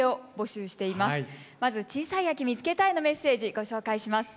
まず「ちいさい秋みつけた」へのメッセージご紹介します。